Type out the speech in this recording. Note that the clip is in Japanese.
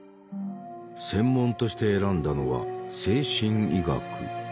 専門として選んだのは精神医学。